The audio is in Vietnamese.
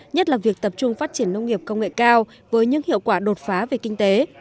nhất là việc tập trung phát triển nông nghiệp công nghệ cao với những hiệu quả đột phá về kinh tế